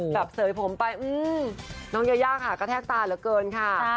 เสยผมไปน้องยายาค่ะกระแทกตาเหลือเกินค่ะ